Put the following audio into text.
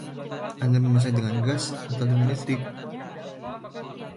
Anda memasak dengan gas atau dengan listrik?